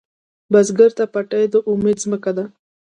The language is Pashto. بزګر ته پټی د امید ځمکه ده